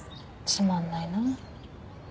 つまんないなあ。